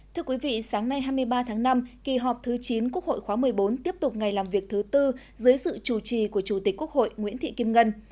thưa quý vị sáng nay hai mươi ba tháng năm kỳ họp thứ chín quốc hội khóa một mươi bốn tiếp tục ngày làm việc thứ tư dưới sự chủ trì của chủ tịch quốc hội nguyễn thị kim ngân